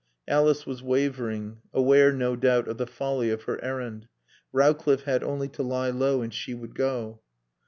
Alice was wavering, aware, no doubt, of the folly of her errand. Rowcliffe had only to lie low and she would go.